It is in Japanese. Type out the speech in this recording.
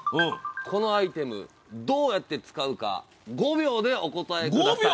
このアイテムどうやって使うか５秒でお答え下さい！